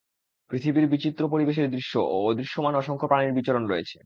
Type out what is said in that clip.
পৃথিবীর বিচিত্র পরিবেশের দৃশ্য ও অদৃশ্যমান অসংখ্য প্রাণীর বিচরণ রয়েছে।